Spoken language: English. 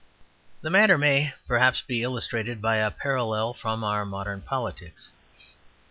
The matter may, perhaps, be illustrated by a parallel from our modern politics.